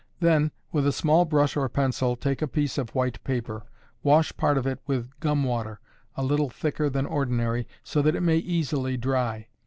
Then, with a small brush or pencil, take a piece of white paper; wash part of it with gum water, a little thicker than ordinary, so that it may easily dry.